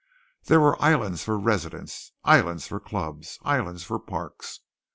There were islands for residences, islands for clubs, islands for parks.